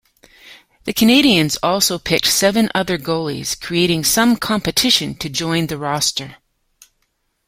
The Canadiens also picked seven other goalies creating some competition to join the roster.